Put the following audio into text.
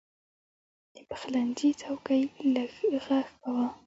د پخلنځي څوکۍ لږ غږ کاوه.